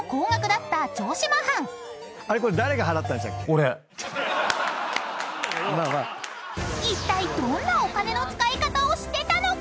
［いったいどんなお金の使い方をしてたのか？］